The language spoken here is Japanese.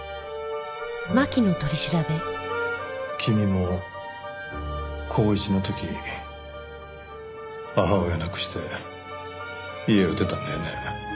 君も高１の時に母親亡くして家を出たんだよね。